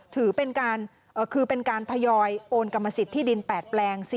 ถือเป็นการพยอยโอนกรรมสิทธิ์ที่ดินแปดแปลง